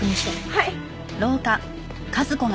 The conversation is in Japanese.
はい！